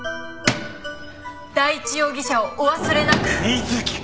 第一容疑者をお忘れなく！